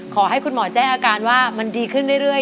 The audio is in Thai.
ขอให้คุณหมอแจ้งอาการว่ามันดีขึ้นเรื่อย